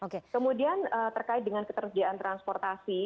kemudian terkait dengan ketersediaan transportasi